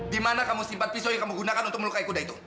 di mana kamu simpan pisau yang kamu gunakan untuk melukai kuda itu